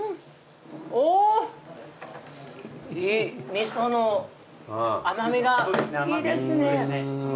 味噌の甘味がいいですね。